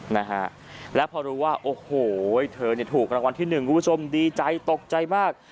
นะฮะแล้วพอรู้ว่าโอ้โหเธอเนี่ยถูกรางวัลที่หนึ่งคุณผู้ชมดีใจตกใจมาก